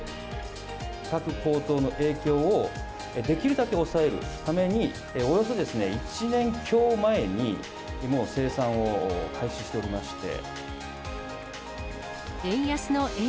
価格高騰の影響を、できるだけ抑えるために、およそ１年強前に、もう生産を開始しておりまして。